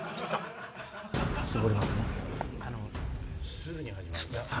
すぐに始まる。